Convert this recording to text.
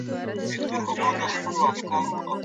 ازاده مطالعه له جبر څخه ډیره غوره ده.